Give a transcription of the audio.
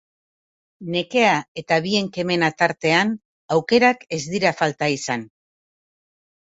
Nekea eta bien kemena tartean, aukerak ez dira falta izan.